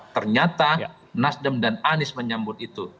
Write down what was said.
ternyata nasdem dan anies menyambut itu